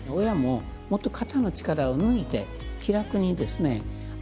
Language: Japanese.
親ももっと肩の力を抜いて気楽にですね